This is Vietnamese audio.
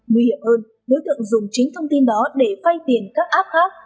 nguy hiểm hơn đối tượng dùng chính thông tin đó để phay tiền các app khác